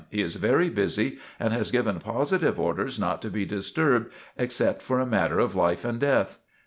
He is very busy, and has given positive orders not to be disturbed, except for a matter of life and death."